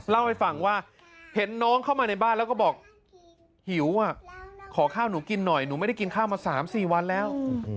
เล่าให้ฟังว่าเห็นน้องเข้ามาในบ้านแล้วก็บอกหิวขอข้าวหนูกินหน่อยหนูไม่ได้กินข้าวมา๓๔วันแล้ว